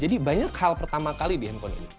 jadi banyak hal pertama kali di handphone ini